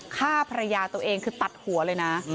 ฆ่าภรรยาตัวเองคือตัดหัวเลยนะ